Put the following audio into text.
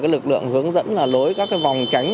lực lượng hướng dẫn lối các vòng tránh